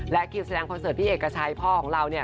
และคิวแสดงคอนเสิร์ตพี่เอกชัยพ่อของเราเนี่ย